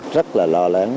rất là lo lắng